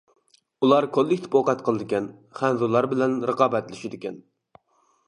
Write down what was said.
ئۇلار كوللېكتىپ ئوقەت قىلىدىكەن، خەنزۇلار بىلەن رىقابەتلىشىدىكەن.